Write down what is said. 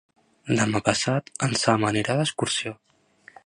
Demà passat en Sam anirà d'excursió.